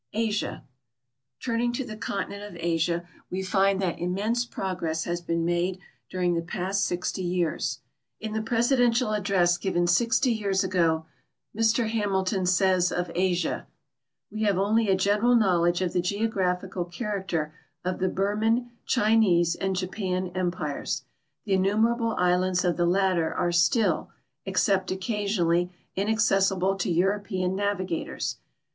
ASIA Turning to the continent of Asia, we find that immense progress has been made during the past six; ty years. In the presidential address given sixty years ago Mr Hamilton says of Asia :" We have only a general knowledge of the geographical character of the Burman, Chinese, and Japan empires ; the innumerable islands of the latter are still, except occasionally, inaccessible to European navigators.